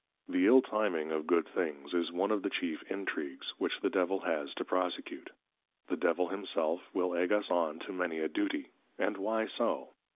_ The Ill Timing of good Things, is One of the chief Intregues, which the Devil has to Prosecute. The Devil himself, will Egg us on to many a Duty; and why so?